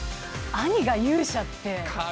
兄が勇者って。